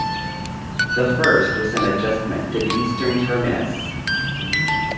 The first was an adjustment to the eastern terminus.